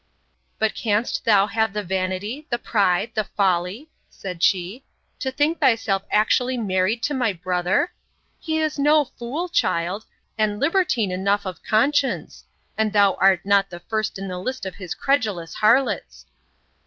But can'st thou have the vanity, the pride, the folly, said she, to think thyself actually married to my brother? He is no fool, child; and libertine enough of conscience; and thou art not the first in the list of his credulous harlots.